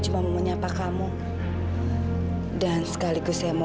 ucapkan rancangan yang saya rutin untuknya